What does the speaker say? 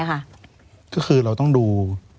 ก็คือเราต้องดู